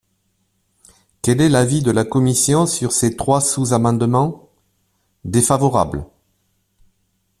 Quel est l’avis de la commission sur ces trois sous-amendements ? Défavorable.